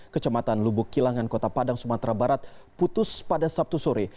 kecamatan lubuk kilangan kota padang sumatera barat putus pada sabtu sore